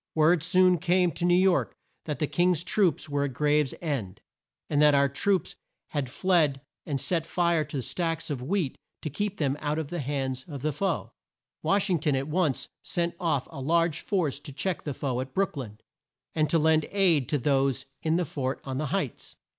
Word soon came to New York that the King's troops were at Graves end, and that our troops had fled and set fire to the stacks of wheat to keep them out of the hands of the foe. Wash ing ton at once sent off a large force to check the foe at Brook lyn, and to lend aid to those in the fort on the Heights.